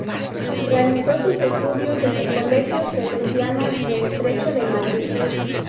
Realizó sus estudios en el Colegio Salesianos de Estrecho de Madrid.